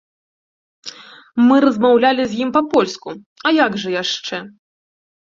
Мы размаўлялі з ім па-польску, а як жа яшчэ?